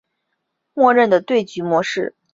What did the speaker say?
默认的对局模式。